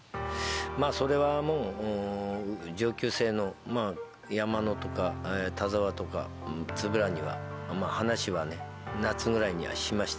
それはもう、上級生の山野とか、田澤とか、円には話はね、夏ぐらいにはしました。